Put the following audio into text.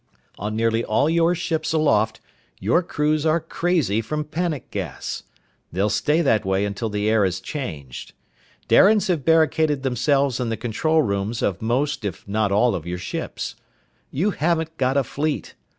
"On nearly all your ships aloft your crews are crazy from panic gas. They'll stay that way until the air is changed. Darians have barricaded themselves in the control rooms of most if not all your ships. You haven't got a fleet.